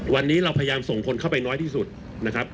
วันนี้เราพยายามส่งคนเข้าไปน้อยที่สุดนะครับ